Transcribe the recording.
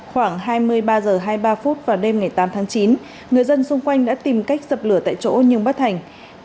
khoảng hai mươi ba h hai mươi ba vào đêm tám tháng chín người dân xung quanh đã tìm cách dập lửa tại chỗ nhưng bất hành